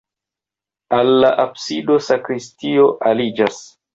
Al la absido sakristio aliĝas.